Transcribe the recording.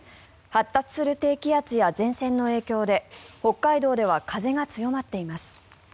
発達する低気圧や前線の影響で北海道では風が強まっています。